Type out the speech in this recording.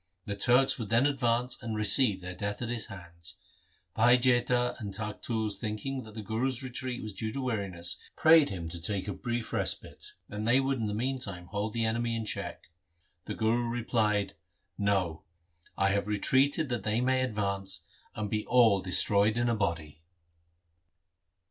The Turks would then advance and receive their death at his hands. Bhai Jaita and Takhtu thinking that the Guru's retreat was due to weariness, prayed him to take a brief respite, and they would in the meantime hold the enemy in check. The Guru replied, ' No ; I have retreated that they may advance and be all destroyed in a body.'